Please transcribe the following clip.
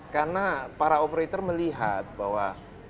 karena para operator melihat bahwa